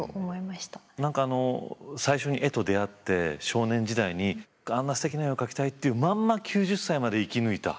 何かあの最初に絵と出会って少年時代にあんなすてきな絵を描きたいっていうまんま９０歳まで生き抜いた。